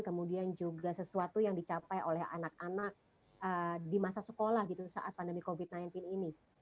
kemudian juga sesuatu yang dicapai oleh anak anak di masa sekolah gitu saat pandemi covid sembilan belas ini